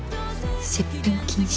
接吻禁止。